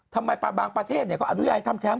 ทำไมบางประเทศก็อนุญาติทำแท้